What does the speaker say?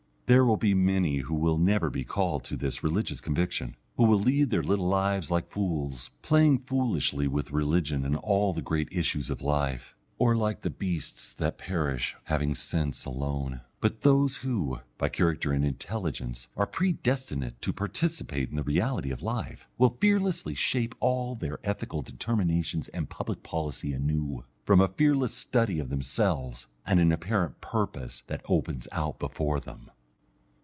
There will be many who will never be called to this religious conviction, who will lead their little lives like fools, playing foolishly with religion and all the great issues of life, or like the beasts that perish, having sense alone; but those who, by character and intelligence, are predestinate to participate in the reality of life, will fearlessly shape all their ethical determinations and public policy anew, from a fearless study of themselves and the apparent purpose that opens out before them.